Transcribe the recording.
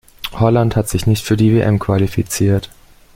Holland hat sich nicht für die WM qualifiziert.